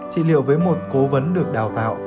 trị liệu với một cố vấn được đào tạo